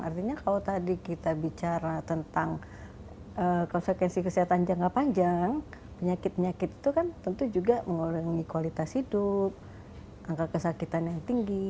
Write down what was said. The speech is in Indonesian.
artinya kalau tadi kita bicara tentang konsekuensi kesehatan jangka panjang penyakit penyakit itu kan tentu juga mengurangi kualitas hidup angka kesakitan yang tinggi